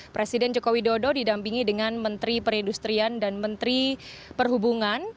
presiden joko widodo didampingi dengan menteri perindustrian dan menteri perhubungan